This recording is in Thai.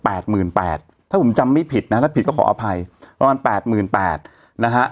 หมื่นแปดถ้าผมจำไม่ผิดนะถ้าผิดก็ขออภัยประมาณแปดหมื่นแปดนะฮะ